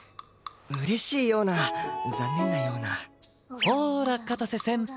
嬉しいような残念なようなほら片瀬先輩